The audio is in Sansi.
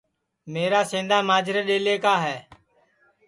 میرا سیندا ماجرے ڈؔیلیں کا ہے